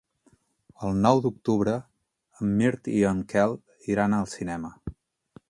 El nou d'octubre en Mirt i en Quel iran al cinema.